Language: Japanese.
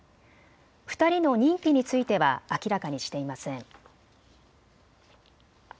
２人の認否については明らかにしていません。